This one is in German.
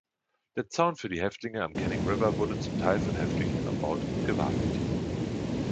Der Zaun für die Häftlinge am Canning River wurde zum Teil von Häftlingen erbaut und gewartet.